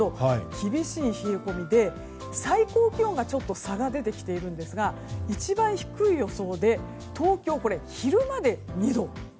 厳しい冷え込みで最高気温が差が出てきているんですが一番低い予想で東京、昼間で２度。